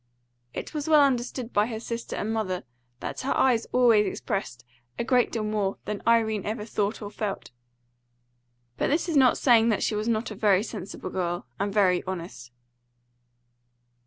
It was well understood by her sister and mother that her eyes always expressed a great deal more than Irene ever thought or felt; but this is not saying that she was not a very sensible girl and very honest.